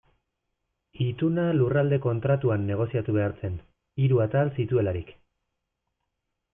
Ituna Lurralde Kontratuan negoziatu behar zen, hiru atal zituelarik.